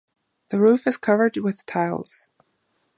The roof is covered with tiles.